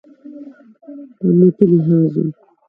په امنیتي لحاظ هم